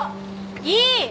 いい！